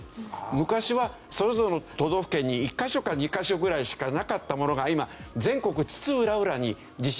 昔はそれぞれの都道府県に１カ所か２カ所ぐらいしかなかったものが今全国津々浦々に地震計がありますでしょ。